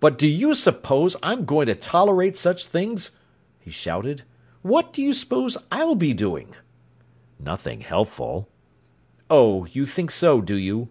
"But do you suppose I'm going to tolerate such things?" he shouted. "What do you suppose I'll be doing?" "Nothing helpful." "Oh, you think so, do you?"